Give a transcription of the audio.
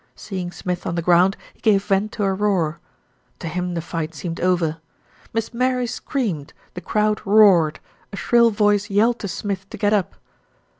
Seeing Smith on the ground, he gave vent to a roar. To him the fight seemed over. Miss Mary screamed, the crowd roared, a shrill voice yelled to Smith to get up.